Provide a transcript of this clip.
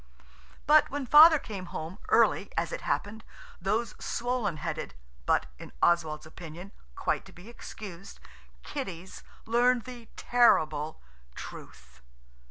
But when Father came home, early, as it happened, those swollen headed, but, in Oswald's opinion, quite to be excused, kiddies learned the terrible truth.